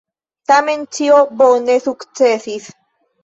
Tamen ĉio bone sukcesis.